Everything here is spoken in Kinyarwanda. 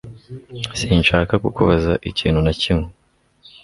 Sinshaka kukubaza ikintu na kimwe